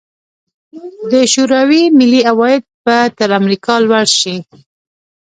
د شوروي ملي عواید به تر امریکا لوړ شي.